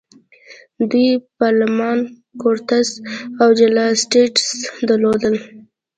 دوی پارلمان، کورټس او جل اسټټس درلودل.